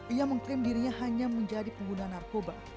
ia mengklaim dirinya hanya menjadi pengguna narkoba